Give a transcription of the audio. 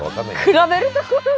比べるところが。